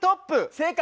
正解。